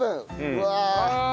うわ！